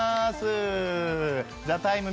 「ＴＨＥＴＩＭＥ，」